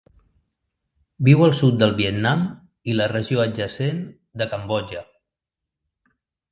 Viu al sud del Vietnam i la regió adjacent de Cambodja.